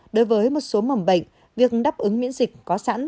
đối với một số mầm bệnh việc đáp ứng miễn dịch có sẵn